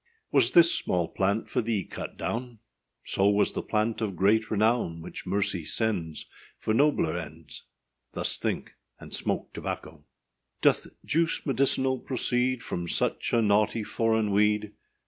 Was this small plant for thee cut down? So was the plant of great renown, Which Mercy sends For nobler ends. Thus think, and smoke tobacco. Doth juice medicinal proceed From such a naughty foreign weed?